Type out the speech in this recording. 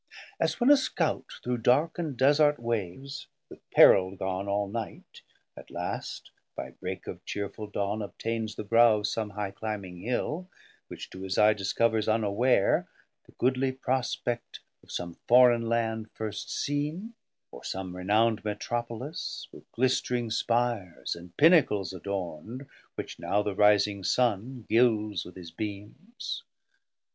As when a Scout Through dark and desart wayes with peril gone All night; at last by break of chearful dawne Obtains the brow of some high climbing Hill, Which to his eye discovers unaware The goodly prospect of some forein land First seen, or some renownd Metropolis With glistering Spires and Pinnacles adornd, 550 Which now the Rising Sun guilds with his beams.